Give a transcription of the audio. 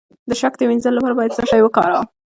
د شک د مینځلو لپاره باید څه شی وکاروم؟